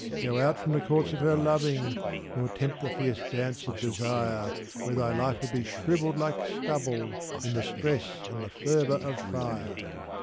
Go out from the courts of her loving, nor tempt the fierce dance of desire Where thy life would be shrivelled like stubble in the stress and the fervour of fire!